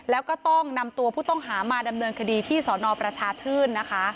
แล้วก็ต้องนำตัวผู้ต้องหามาดำเนินคดีที่สนประชาชื่นนะคะ